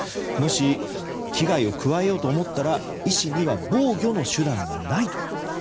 もし、危害を加えようと思ったら医師には防御の手段がないと。